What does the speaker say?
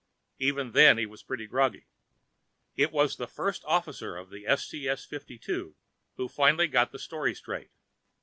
Even then, he was plenty groggy. It was the First Officer of the STS 52 who finally got the story straight.